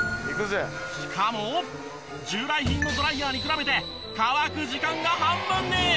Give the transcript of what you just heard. しかも従来品のドライヤーに比べて乾く時間が半分に！？